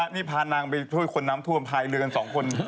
นี่พานางไปช่วยคนน้ำท่วมพาอีกเรือน๒คน